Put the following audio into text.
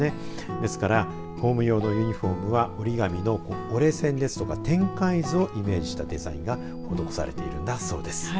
ですからホーム用のユニホームは折り紙の折れ線ですとか展開図をイメージしたデザインが施されているんだそうです。